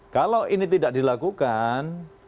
kalau ini tidak dilakukan